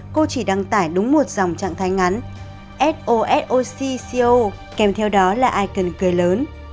cô chỉ đăng tải đúng một dòng trạng thái ngắn sosocco kèm theo đó là icon cười lớn